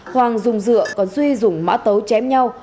hoàng dùng dựa còn duy dùng mã tấu chém nhau